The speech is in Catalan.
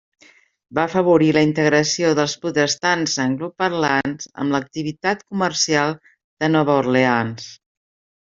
Va afavorir la integració dels protestants angloparlants en l'activitat comercial de Nova Orleans.